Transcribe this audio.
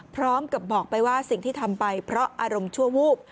พร้อมกับบอกไปว่าสิ่งที่ทำไปเพราะอารมณ์ชั่ววูบ